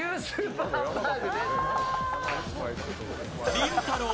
りんたろー